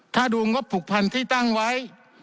ถ้าดูงบผูกพันที่ตั้งไว้